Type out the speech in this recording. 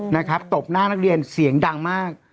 นะครับตบหน้านักเรียนเสียงดังมาก